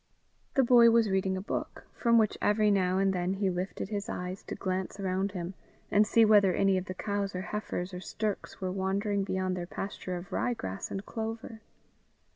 The boy was reading a book, from which every now and then he lifted his eyes to glance around him, and see whether any of the cows or heifers or stirks were wandering beyond their pasture of rye grass and clover.